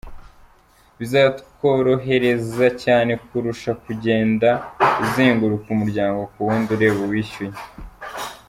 Bizatworohereza cyane kurusha kugenda uzenguruka umuryango ku wundi ureba uwishyuye.